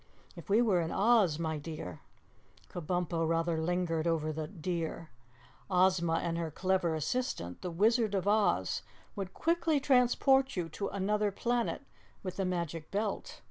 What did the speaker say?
If we were in Oz, my dear " Kabumpo rather lingered over the "dear" "Ozma and her clever assistant, the Wizard of Oz, would quickly transport you to Anuther Planet with the magic belt.